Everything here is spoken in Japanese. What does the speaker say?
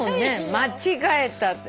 間違えたって。